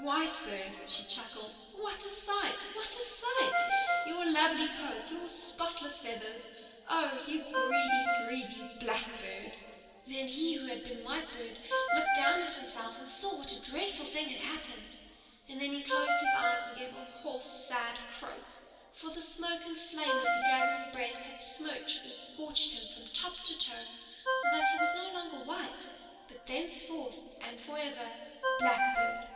"O Whitebird," she chuckled, "what a sight! what a sight! Your lovely coat, your spotless feathers! Oh, you greedy, greedy Blackbird!" Then he who had been Whitebird looked down at himself and saw what a dreadful thing had happened. And he closed his eyes and gave a hoarse, sad croak. For the smoke and flame of the dragon's breath had smirched and scorched him from top to toe, so that he was no longer white, but thenceforth and forever Blackbird.